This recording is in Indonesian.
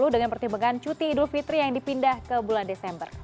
dengan pertimbangan cuti idul fitri yang dipindah ke bulan desember